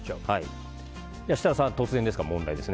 設楽さん、突然ですが問題です。